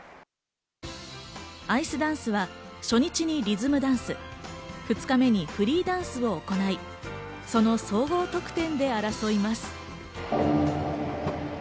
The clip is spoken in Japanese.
アイスダンスは初日にリズムダンス、２日目にフリーダンスを行い、その総合得点で争います。